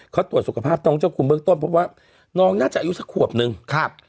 เขาตรวจสุขภาพน้องเจ้าคุณเบื้องต้นเพราะว่าน้องน่าจะอายุสักขวบนึงครับ